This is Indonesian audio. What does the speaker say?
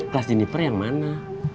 kelas jeniper yang mana